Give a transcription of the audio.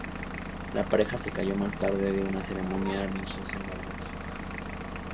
La pareja se casó más tarde en una ceremonia religiosa en Madrid.